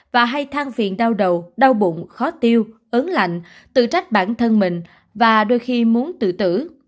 và hay thang phiền đau đầu đau bụng khó tiêu ớn lạnh tự trách bản thân mình và đôi khi muốn tự tử